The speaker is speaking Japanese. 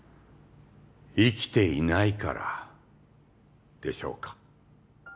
生きていないからでしょうか